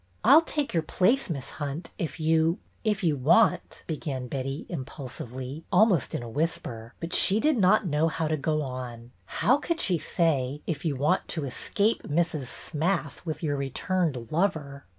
I 'll take your place, Miss Hunt, if you — if you want —" began Betty, impulsively, almost in a whisper; but she did not know how to go on. How could she say, " If you want to escape Mrs. Smath with your returned lover